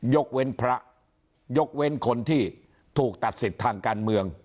ยกเว้นพระยกเว้นคนที่ถูกตัดสิทธิ์ทางการเมือง